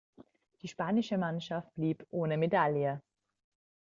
Die spanische Mannschaft blieb ohne Medaille.